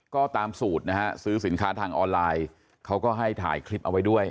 ก็ตามสูตรนะฮะซื้อสินค้าทางออนไลน์เขาก็ให้ถ่ายคลิปเอาไว้ด้วย